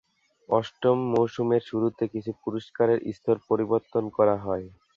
অষ্টম মৌসুমের শুরুতে কিছু পুরস্কারের স্তর পরিবর্তন করা হয়।